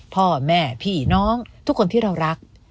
พ่อแม่พี่น้องทุกคนที่เรารัก